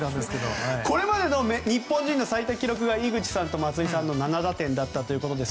これまでの日本人の最多記録が井口さんと松井さんの７打点だったということで